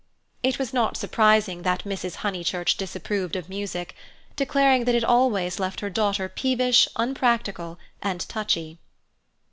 It was not surprising that Mrs. Honeychurch disapproved of music, declaring that it always left her daughter peevish, unpractical, and touchy.